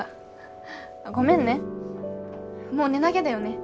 ごめんねもう寝なぎゃだよね。